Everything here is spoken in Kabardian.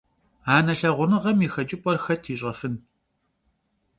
Анэ лъагъуныгъэм и къыхэкӀыпӀэр хэт ищӀэфын.